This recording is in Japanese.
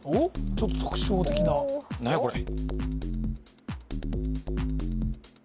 ちょっと特徴的な何やこれ？